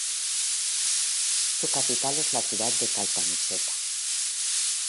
Su capital es la ciudad de Caltanissetta.